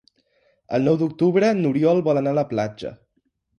El nou d'octubre n'Oriol vol anar a la platja.